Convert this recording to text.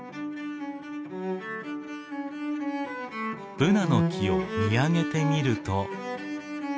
ブナの木を見上げてみると。